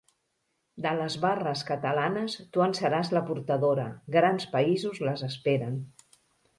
De les barres catalanes tu en seràs la portadora; grans països les esperen.